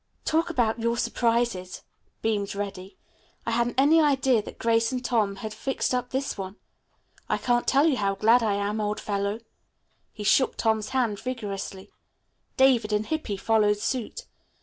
"Talk about your surprises," beamed Reddy. "I hadn't any idea that Grace and Tom had fixed up this one. I can't tell you how glad I am, old fellow." He shook Tom's hand vigorously. David and Hippy followed suit.